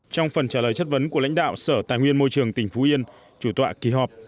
trong phần trả lời chất vấn của lãnh đạo sở tài nguyên môi trường tỉnh phú yên chủ tọa kỳ họp